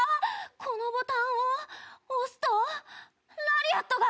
このボタンを押すとラリアットが？